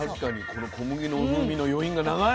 この小麦の風味の余韻が長い！